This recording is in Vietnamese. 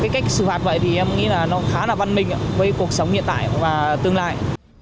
cái cách xử phạt vậy thì em nghĩ là nó khá là văn minh với cuộc sống hiện tại và tương lai